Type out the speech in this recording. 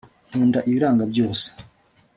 nkunda ibiranga byose